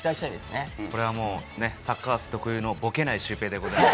『サッカー★アース』特有のボケないシュウペイでございます。